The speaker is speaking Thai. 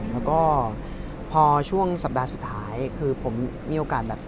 แล้วก็พอช่วงสัปดาห์สุดท้ายคือผมมีโอกาสแบบ